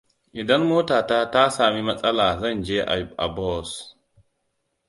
Idan motata ta sami matsala zan je a bus.